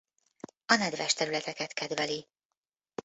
A nedves területeket kedveli.